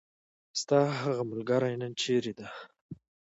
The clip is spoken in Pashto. ستاهغه ملګری نن چیرته ده .